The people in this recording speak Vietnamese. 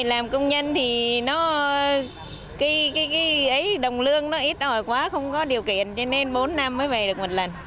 làm công nhân thì đồng lương nó ít ỏi quá không có điều kiện cho nên bốn năm mới về được một lần